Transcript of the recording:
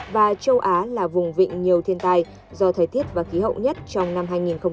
và châu á là vùng vịnh nhiều thiên tài do thời tiết và khí hậu nhất trong năm hai nghìn hai mươi ba